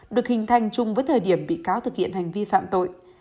được hình thành chung với thời điểm bị cáo thực hiện hành vi phạm tội